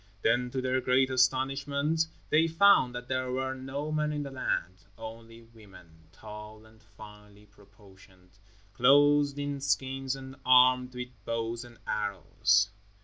Then, to their great astonishment, they found that there were no men in the land, only women, tall and finely proportioned, clothed in skins and armed with bows and arrows.